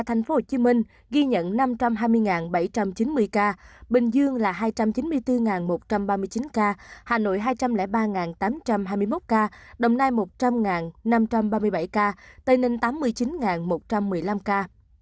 tp hcm ghi nhận năm trăm hai mươi bảy trăm chín mươi ca bình dương là hai trăm chín mươi bốn một trăm ba mươi chín ca hà nội hai trăm linh ba tám trăm hai mươi một ca đồng nai một trăm linh năm trăm ba mươi bảy ca tây ninh tám mươi chín một trăm một mươi năm ca